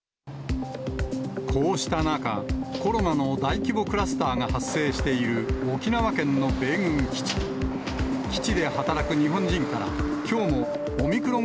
こうした中、コロナの大規模クラスターが発生している沖縄県の米軍基地。